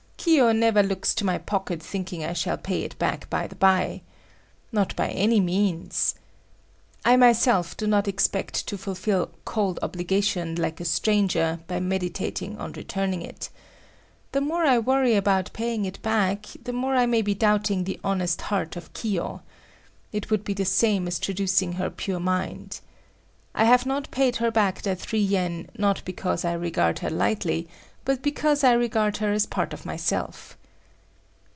Kiyo never looks to my pocket thinking I shall pay it back by the bye. Not by any means. I myself do not expect to fulfill cold obligation like a stranger by meditating on returning it. The more I worry about paying it back, the more I may be doubting the honest heart of Kiyo. It would be the same as traducing her pure mind. I have not paid her back that three yen not because I regard her lightly, but because I regard her as part of myself.